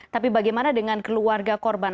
tapi bagaimana dengan keluarga korban